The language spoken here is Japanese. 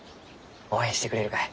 応援してくれるかえ？